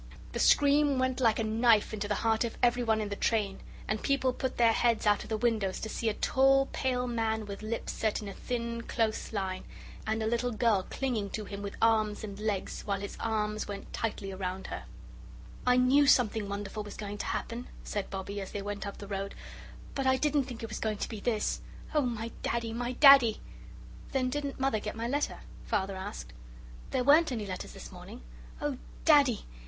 That scream went like a knife into the heart of everyone in the train, and people put their heads out of the windows to see a tall pale man with lips set in a thin close line, and a little girl clinging to him with arms and legs, while his arms went tightly round her. "I knew something wonderful was going to happen," said Bobbie, as they went up the road, "but I didn't think it was going to be this. Oh, my Daddy, my Daddy!" "Then didn't Mother get my letter?" Father asked. "There weren't any letters this morning. Oh! Daddy!